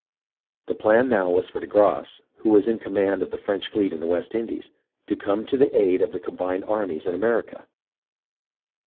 The plan now was for de Grasse, who was in command of the French fleet in the West Indies, to come to the aid of the combined armies in America.